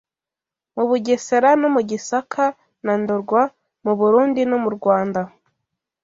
Mu Bugesera no mu Gisaka na Ndorwa, mu Burundi no mu Rwanda